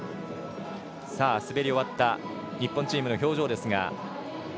滑り終わった日本チームの表情ですが。